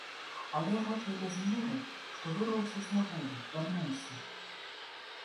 Але рад я без меры, што вырваўся з няволі, вярнуўся.